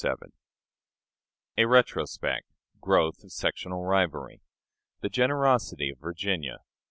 ] CHAPTER VII A Retrospect. Growth of Sectional Rivalry. The Generosity of Virginia.